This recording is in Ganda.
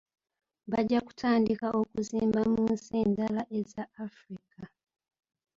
Bajja kutandika okuzimba mu nsi endala eza Africa.